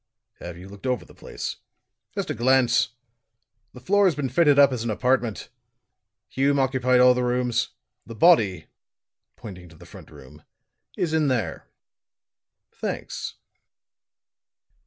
"Have you looked over the place?" "Just a glance. The floor has been fitted up as an apartment. Hume occupied all the rooms. The body," pointing to the front room, "is in there." "Thanks."